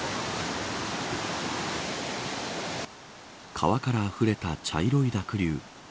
川からあふれた茶色い濁流。